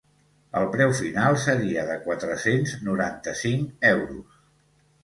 El preu final seria de quatre-cents noranta-cinc euros.